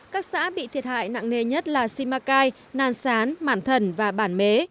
các xã bị thiệt hại nặng nề nhất là simacai nàn sán mản thần và bản mế